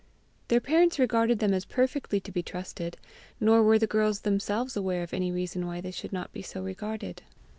Their parents regarded them as perfectly to be trusted, nor were the girls themselves aware of any reason why they should not be so regarded.